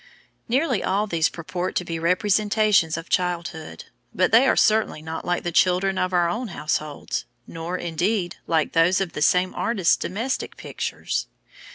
Nearly all these purport to be representations of children, but they are certainly not like the children of our own households, nor, indeed, like those of the same artist's domestic pictures.